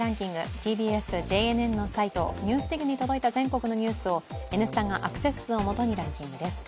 ＴＢＳ・ＪＮＮのサイト「ＮＥＷＳＤＩＧ」が今日の昼までにお届けした全国のニュースを「Ｎスタ」がアクセス数をもとにランキングです。